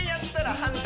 反対